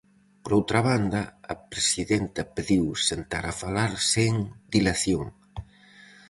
Por outra banda, a presidenta pediu "sentar a falar sen dilación".